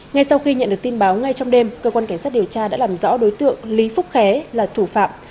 ngay sau khi nhận được tin báo ngay trong đêm cơ quan cảnh sát điều tra đã làm rõ đối tượng lý phúc khé là thủ phạm